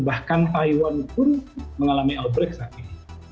bahkan taiwan pun mengalami outbreak saat ini